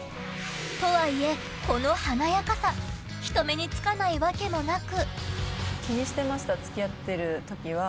とはいえ、この華やかさひと目につかないわけもなく。